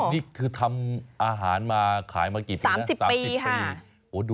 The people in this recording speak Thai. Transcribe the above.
นี่คือทำอาหารมาขายมากี่ปีนะ๓๐ปี